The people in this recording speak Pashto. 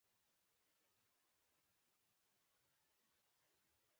د جګدلک یاقوت ډیر ارزښت لري